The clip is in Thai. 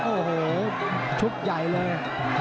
โอ้โหชุดใหญ่เลย